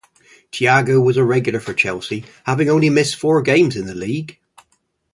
Tiago was a regular for Chelsea, having only missed four games in the league.